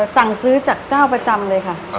สั่งซื้อจากเจ้าประจำเลยค่ะ